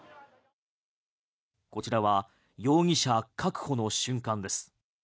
こちらは容疑者確保の瞬間です。